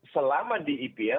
selama di ipm